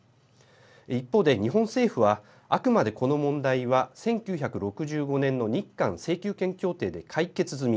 一方で日本政府はあくまでこの問題は１９６５年の日韓請求権協定で解決済み。